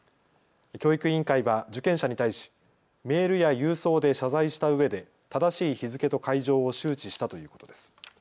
教育委員会は受験者に対しメールや郵送で謝罪したうえで正しい日付と会場を周知したということです。